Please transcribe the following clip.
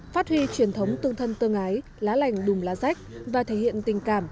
phát huy truyền thống tương thân tương ái lá lành đùm lá rách và thể hiện tình cảm